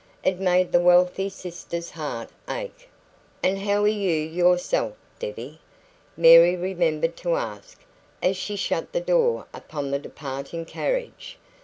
It made the wealthy sister's heart ache. "And how are you yourself, Debbie?" Mary remembered to ask, as she shut the door upon the departing carriage.